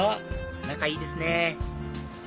仲いいですねぇ